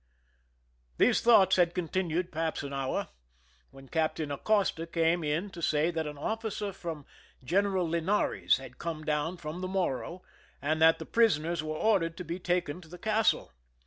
These thoughts had continued perhaps an hour, when Captain Acosta came in to say that an officer from General Linares had come down from the Morro, and that the prisoners were ordered to be taken to the castle.